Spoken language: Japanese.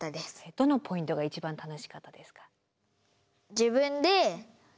どのポイントが一番楽しかったですか？